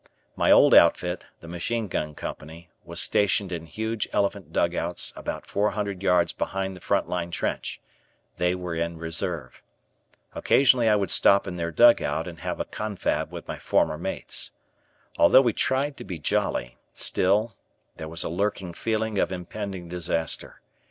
My old outfit, the Machine Gun Company, was stationed in huge elephant dugouts about four hundred yards behind the front line trench they were in reserve. Occasionally I would stop in their dugout and have a confab with my former mates. Although we tried to be jolly, still, there was a lurking feeling of impending disaster.